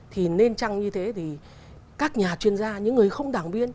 thì nên chăng như thế thì các nhà chuyên gia những người không đảng viên